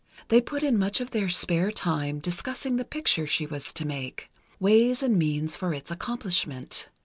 They put in much of their spare time discussing the picture she was to make—ways and means for its accomplishment.